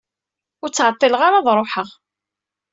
Ur ttɛeṭṭileɣ ara ad ruḥeɣ.